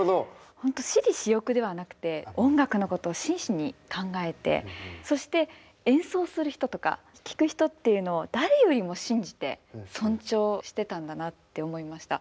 本当私利私欲ではなくて音楽のことを真摯に考えてそして演奏する人とか聴く人っていうのを誰よりも信じて尊重してたんだなって思いました。